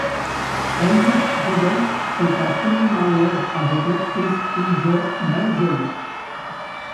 Helmuth Rudolph fait un premier mariage avec l'actrice Inge Meysel.